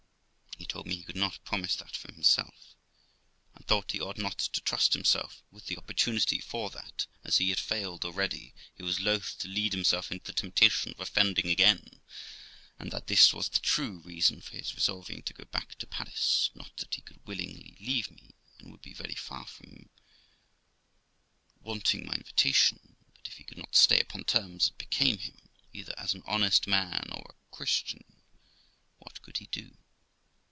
He told me he could not promise that for himself, and thought he ought not to trust himself with the opportunity, for that, as he had failed already, he was loth to lead himself into the temptation of offending again, and that this was the true reason of his resolving to go back to Paris; not that he could willingly leave me, and would be very far from wanting my invitation; but if he could not stay upon terms that became him, either as an honest man or a Christian, what could he do?